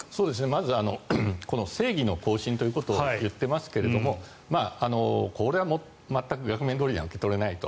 まず正義の行進ということを言っていますがこれは全く額面どおりには受け取れないと。